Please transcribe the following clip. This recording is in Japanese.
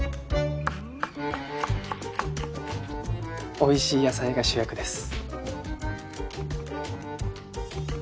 おいしい野菜が主役です。